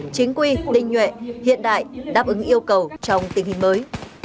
chính quy tinh nhuệ hiện đại đáp ứng yêu cầu trong tình hình mới